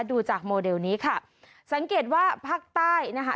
ดูจากโมเดลนี้ค่ะสังเกตว่าภาคใต้นะคะ